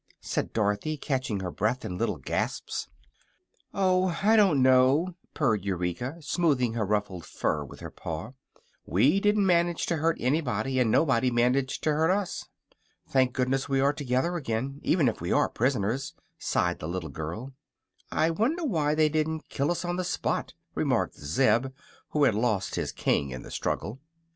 said Dorothy, catching her breath in little gasps. "Oh, I don't know," purred Eureka, smoothing her ruffled fur with her paw; "we didn't manage to hurt anybody, and nobody managed to hurt us." "Thank goodness we are together again, even if we are prisoners," sighed the little girl. "I wonder why they didn't kill us on the spot," remarked Zeb, who had lost his king in the struggle.